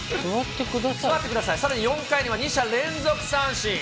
座ってください、さらに４回には２者連続三振。